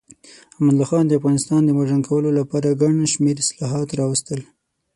امان الله خان د افغانستان د مډرن کولو لپاره ګڼ شمیر اصلاحات راوستل.